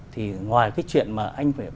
thì ngoài cái chuyện mà anh phải